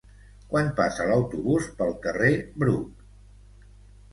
Quan passa l'autobús pel carrer Bruc?